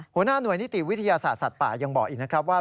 หัวหน้าหน่วยนิติวิทยาศาสตร์สัตว์ป่ายังบอกอีกนะครับว่า